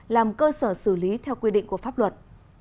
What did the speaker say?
làm cơ sở xử lý theo quy định của pháp luật